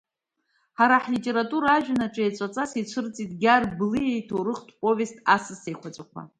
Ҳара ҳлитература ажәҩан аҿы еҵәаҵас ицәырҵит Гьаргь Гәлиа иҭоурыхтә повест Асас еиқәаҵәақәа.